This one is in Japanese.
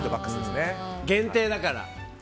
限定だから。